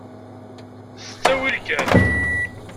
S ttawil kan.